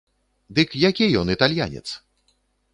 Дык які ён італьянец?